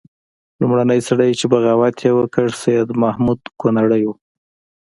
لومړنی سړی چې بغاوت یې وکړ سید محمود کنړی وو.